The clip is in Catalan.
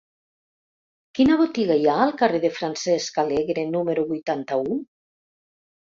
Quina botiga hi ha al carrer de Francesc Alegre número vuitanta-u?